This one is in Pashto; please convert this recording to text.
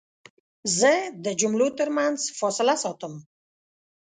زه د جملو ترمنځ فاصله ساتم.